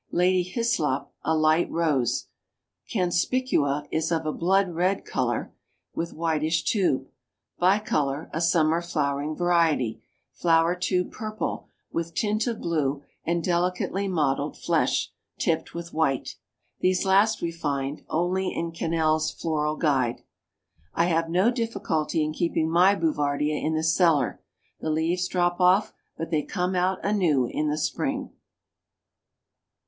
Lady Hyslop, a light rose. Canspicua is of a blood red color, with whitish tube. Bicolor, a summer flowering variety. Flower tube purple, with tint of blue and delicately mottled flesh, tipped with white. These last we find, only in Cannell's Floral Guide. I have no difficulty in keeping my Bouvardia in the cellar, the leaves drop off, but they come out anew in the spring.